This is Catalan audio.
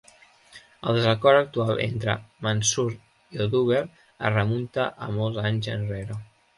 El desacord actual entre Mansur i Oduber es remunta a molts anys enrere.